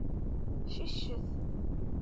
Ciccet.